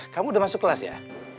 kamu udah masuk kelas ya